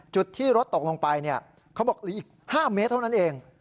จุดที่รถตกลงไปเนี่ยเขาบอกอีก๕เมตรเท่านั้นเอง